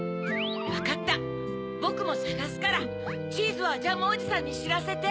わかったぼくもさがすからチーズはジャムおじさんにしらせて！